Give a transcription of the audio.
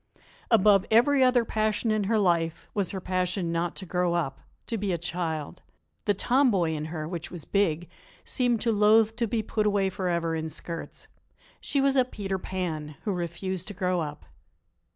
Above every other passion of her life was her passion not to grow up, to be a child. The tom boy in her, which was big, seemed to loathe to be put away forever in skirts. She was a Peter Pan, who refused to grow up.